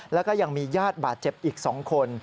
แล้วก็ยังมีญาติบาดเจ็บอีก๒คน